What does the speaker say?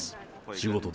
仕事で。